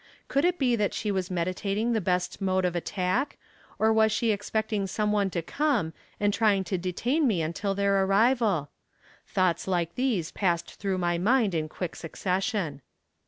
Could it be that she was meditating the best mode of attack, or was she expecting some one to come, and trying to detain me until their arrival? Thoughts like these passed through my mind in quick succession.